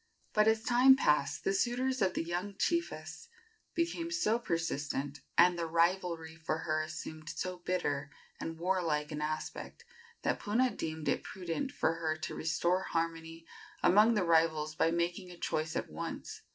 But, as time passed, the suitors of the young chiefess became so persistent, and the rivalry for her assumed so bitter and warlike an aspect, that Puna deemed it prudent for her to restore harmony among the rivals by making a choice at once.